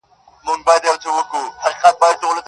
پاس توتكۍ راپسي مه ږغـوه~